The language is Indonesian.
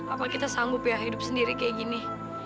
apa kita sanggup ya hidup sendiri kayak gini